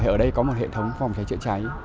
ở đây có một hệ thống phòng cháy chữa cháy